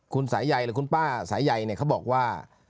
คุณสายใยหรือคุณป้าสายใยเนี่ยเขาบอกว่า